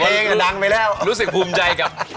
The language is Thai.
ให้ยังถนนับไปแล้วยกรู้สึกภูมิใจ